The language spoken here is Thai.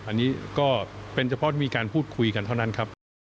อันนี้ก็เป็นเฉพาะมีการพูดคุยกันเท่านั้นครับ